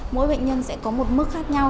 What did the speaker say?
mỗi bệnh nhân sẽ có một mức khác nhau